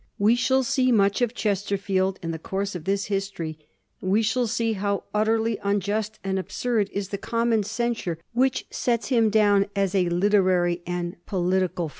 We shall see much of Chesterfield in the course of this history; we shall see how utterly unjust and absurd is the common censure which sets him down as a literary and political mmtmmmmm 1733. CHESTERFIELD'S GHARACTEB.